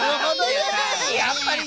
やっぱりな。